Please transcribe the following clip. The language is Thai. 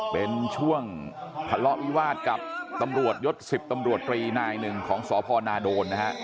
เป็นช่วงทะเลาะวิวาสกับตำรวจยศ๑๐ตำรวจตรีนายหนึ่งของสพนาโดนนะฮะ